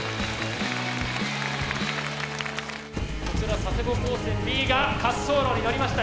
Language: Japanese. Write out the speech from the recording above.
こちら佐世保高専Ｂが滑走路にのりました。